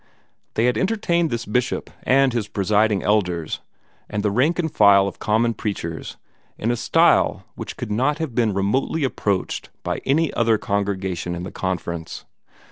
They had entertained this Bishop and his Presiding Elders, and the rank and file of common preachers, in a style which could not have been remotely approached by any other congregation in the Conference.